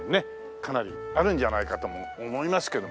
かなりあるんじゃないかとも思いますけども。